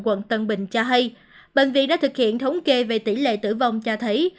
quận tân bình cho hay bệnh viện đã thực hiện thống kê về tỷ lệ tử vong cho thấy